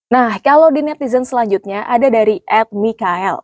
nah kalau di netizen selanjutnya ada dari ed mikael